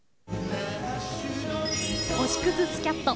星屑スキャット。